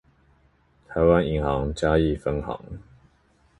臺灣銀行嘉義分行